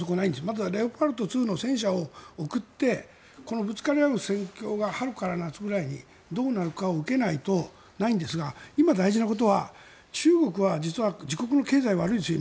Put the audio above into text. まだレオパルト２の戦車を送ってこのぶつかり合う戦況が春から夏くらいにどうなるかを受けないとないんですが今、大事なことは中国は実は自国の経済は悪いですよ